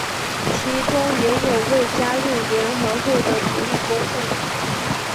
其中也有未加入联合会的独立工会。